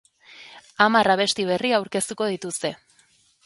Hamar abesti berri aurkeztuko dituzte.